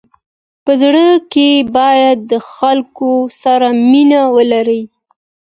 په زړه کي باید د خلکو سره مینه ولری.